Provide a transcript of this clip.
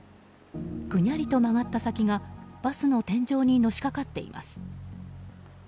ぐにゃりと曲がった先がバスの天井にのしかかっています。